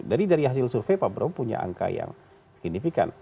jadi dari hasil survei pak prabowo punya angka yang signifikan